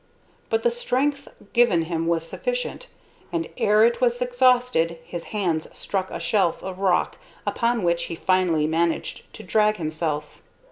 But the strength given him was sufficient, and ere it was exhausted his hands struck a shelf of rock upon which he finally managed to drag himself.